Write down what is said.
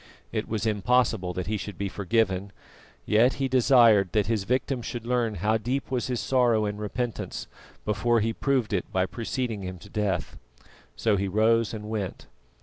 It was impossible that he should be forgiven, yet he desired that his victim should learn how deep was his sorrow and repentance, before he proved it by preceding him to death. So he rose and went.